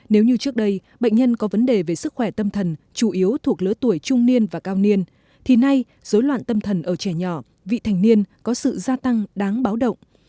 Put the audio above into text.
nếu như trước đây bệnh nhân có vấn đề về sức khỏe tâm thần chủ yếu thuộc lứa tuổi trung niên và cao niên thì nay dối loạn tâm thần ở trẻ nhỏ vị thành niên có sự gia tăng đáng báo động